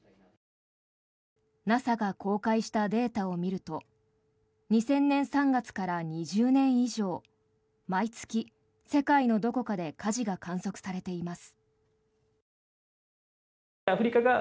ＮＡＳＡが公開したデータを見ると２０００年３月から２０年以上毎月、世界のどこかで火事が観測されています。